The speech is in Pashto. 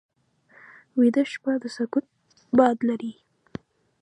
ویده شپه د سکوت باد لري